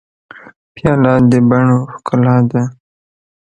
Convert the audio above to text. پیاله د بڼو ښکلا ده.